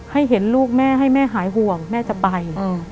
ให้เห็นลูกแม่ให้แม่หายห่วงแม่จะไป